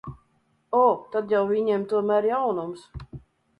O, tad jau viņiem tomēr jaunums.